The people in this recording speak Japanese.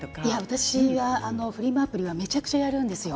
私はフリマアプリがめちゃくちゃあるんですよ